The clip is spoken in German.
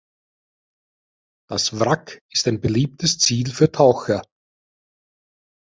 Das Wrack ist ein beliebtes Ziel für Taucher.